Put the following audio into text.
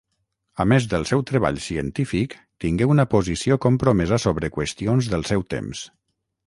A més del seu treball científic, tingué una posició compromesa sobre qüestions del seu temps.